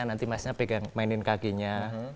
nanti masnya pegang mainin kakinya